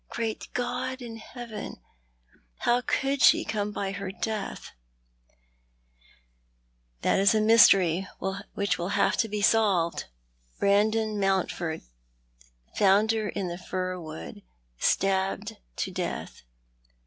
Great God in heaven, how could she come by her death ?"" That is a mystery which will have to be solved. Brandon Mountford found her in the fir wood— stabbed to death.